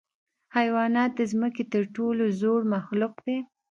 حیوانات د ځمکې تر ټولو زوړ مخلوق دی.